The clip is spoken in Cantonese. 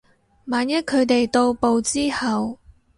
萬一佢哋到埗之後